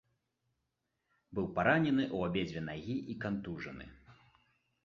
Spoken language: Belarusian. Быў паранены ў абедзве нагі і кантужаны.